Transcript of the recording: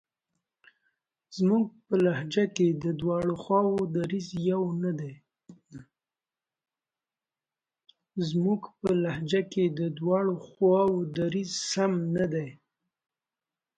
زموږ په لهجه کې د دواړو خواوو دریځ سم نه دی.